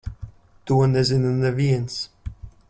To nezina neviens.